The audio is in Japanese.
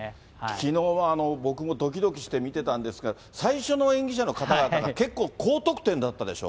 きのうは僕もどきどきして見てたんですが、最初の演技者の方々が結構高得点だったでしょ？